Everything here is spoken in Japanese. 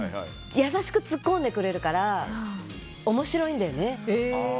優しくツッコんでくれるから面白いんだよね。